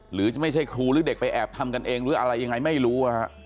หรือจะไม่ใช่ครูหรือเด็กไปแอบทำกันเองหรืออะไรยังไงไม่รู้